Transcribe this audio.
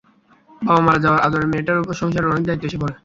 বাবা মারা যাওয়ায় আদরের মেয়েটার ওপর সংসারের অনেক দায়িত্ব এসে পড়ে।